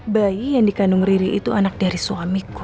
bayi yang dikandung riri itu anak dari suamiku